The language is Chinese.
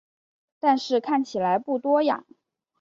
但是看起来不多呀